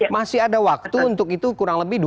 masih ada waktu untuk itu kurang lebih